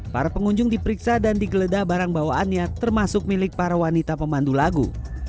para pengunjung diperiksa dan digeledah barang bawaannya termasuk milik para wanita pemandu lagu